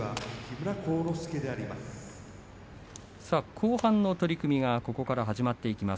後半の取組がここから始まっていきます。